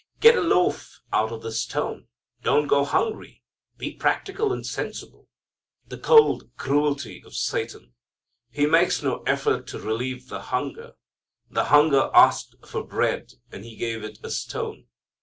"Get a loaf out of this stone. Don't go hungry. Be practical and sensible." The cold cruelty of Satan! He makes no effort to relieve the hunger. The hunger asked for bread and he gave it a stone.